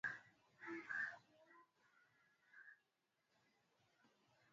kutokana na bwana felipe kumuunga mkono bwana lauren bagbo